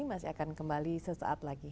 masih akan kembali sesaat lagi